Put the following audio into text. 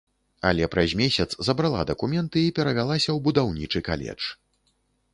Але праз месяц забрала дакументы і перавялася ў будаўнічы каледж.